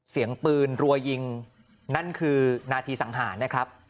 เสียงปืนรัวยิงนั่นคือนาทีสังหารนะครับ